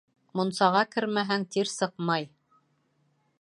Мунсаға кермәһәң тир сыҡмай